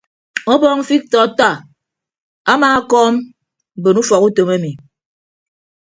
Ọbọọñ fiktọ attah amaakọọm mbon ufọk utom emi.